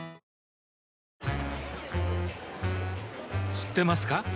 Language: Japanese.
知ってますか？